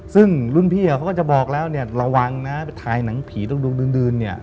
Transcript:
ซึ่งรุ่นพี่เขาก็จะบอกแล้วเนี่ยระวังนะไปถ่ายหนังผีตรงดื่นเนี่ย